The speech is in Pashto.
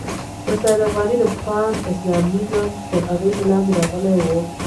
د سید افغاني د پان اسلامیزم تر اغېزې لاندې راغلی وو.